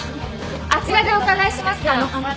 あちらでお伺いしますから。